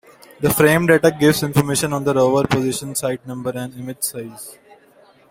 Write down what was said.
The frame data gives information on the rover position, site number, and image size.